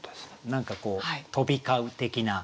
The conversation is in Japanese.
何かこう飛び交う的な。